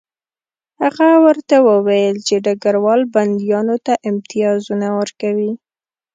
هغه ورته وویل چې ډګروال بندیانو ته امتیازونه ورکوي